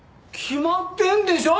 決まってんでしょ。